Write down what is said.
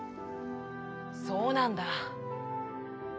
「そうなんだ」。